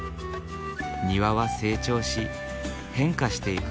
「庭は成長し変化していくもの。